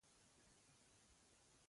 دا ځل قضیه خورا ژوره وه